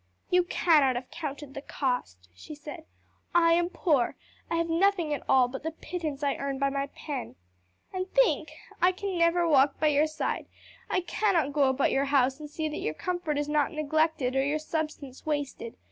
"You cannot have counted the cost," she said. "I am poor; I have nothing at all but the pittance I earn by my pen. And think: I can never walk by your side: I cannot go about your house and see that your comfort is not neglected, or your substance wasted.